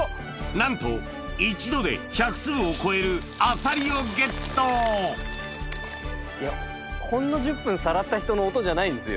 なんと一度で１００粒を超えるあさりをゲットほんの１０分さらった人の音じゃないんですよ